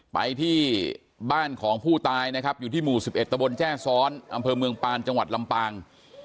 ไปที่บ้านของผู้ตายนะครับอยู่ที่หมู่๑๑ตะบนแจ้ซ้อนอำเภอเมืองปานจังหวัดลำปาง